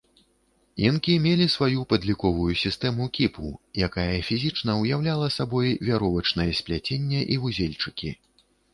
Інкі мелі сваю падліковую сістэму кіпу, якая фізічна ўяўляла сабой вяровачныя спляцення і вузельчыкі.